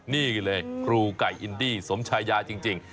นี่เลยครูไก่อินดี้สมชายาจริง